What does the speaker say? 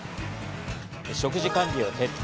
食事管理を徹底。